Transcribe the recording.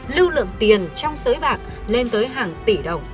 lưu lượng tiền trong sới bạc lên tới hàng tỷ đồng